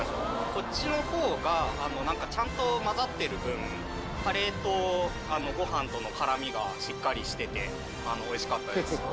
こっちのほうが、なんかちゃんと混ざってる分、カレーとごはんとのからみがしっかりしてて、おいしかったです。